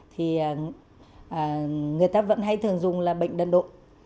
thì người ta vẫn hay thường dùng là bệnh đần độ